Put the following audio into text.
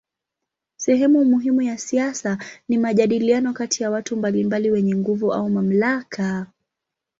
Sehemu muhimu ya siasa ni majadiliano kati ya watu mbalimbali wenye nguvu au mamlaka.